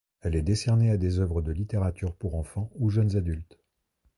Elle est décernée à des œuvres de littérature pour enfants ou jeunes adultes.